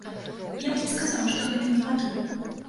Я б не сказаў, што гэта негатыў.